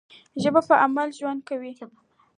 ژبه په عمل ژوند کوي.